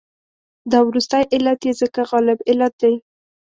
دا وروستی علت یې ځکه غالب علت دی.